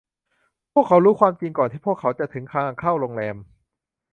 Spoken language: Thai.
พวกเขารู้ความจริงก่อนที่พวกเขาจะถึงทางเข้าโรงแรม